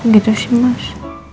gitu sih mas